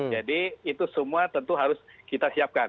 jadi itu semua tentu harus kita siapkan